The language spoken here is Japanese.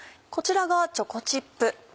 こちらがチョコチップ。